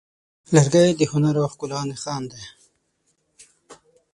لرګی د هنر او ښکلا نښان دی.